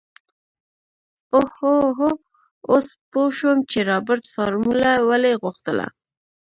اوهوهو اوس پو شوم چې رابرټ فارموله ولې غوښتله.